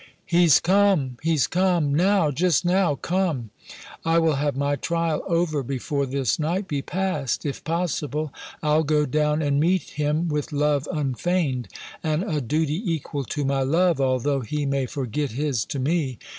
He's come! He's come! now, just now, come! I will have my trial over before this night be past, if possible. I'll go down and meet him with love unfeigned, and a duty equal to my love, although he may forget his to me.